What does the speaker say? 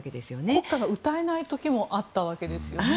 国歌が歌えない時もあったわけですよね。